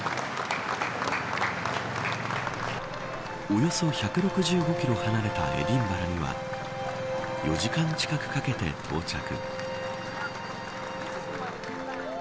およそ１６５キロ離れたエディンバラには４時間近くかけて到着。